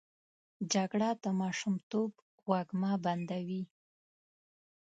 جګړه د ماشومتوب وږمه بندوي